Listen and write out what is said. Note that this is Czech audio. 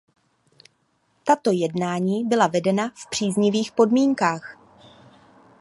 Tato jednání byla vedena v příznivých podmínkách.